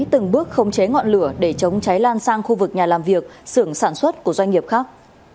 từng bước khống chế ngọn lửa để chống cháy lan sang khu vực nhà làm việc xưởng sản xuất của doanh nghiệp khác